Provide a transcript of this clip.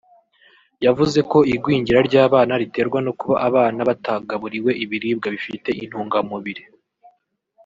yavuze ko igwingira ry’abana riterwa no kuba abana batagaburiwe ibiribwa bifite intungamubiri